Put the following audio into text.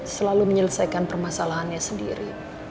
selalu menyelesaikan permasalahannya sendiri